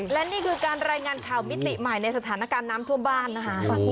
และนี่คือการรายงานข่าวมิติใหม่ในสถานการณ์น้ำทั่วบ้านนะคะ